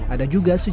ada juga sejarah